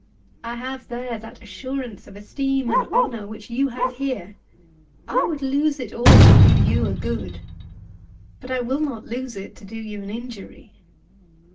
I have there that assurance of esteem and honour which you have here. I would lose it all to do you a good. But I will not lose it to do you an injury."